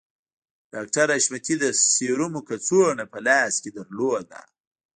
ډاکټر حشمتي د سيرومو کڅوړه په لاس کې درلوده